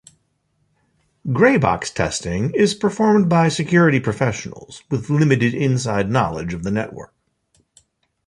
Grey-box testing is performed by security professionals with limited inside knowledge of the network.